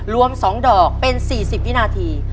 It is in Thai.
รวม๒ดอกเป็น๔๐วินาที